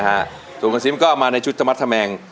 คุณซิมก็เอามาในชุดธรรมดธรรแมง